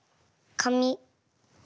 かみ！？